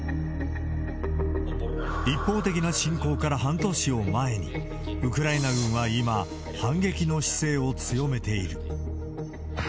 一方的な侵攻から半年を前に、ウクライナ軍は今、反撃の姿勢を強めている。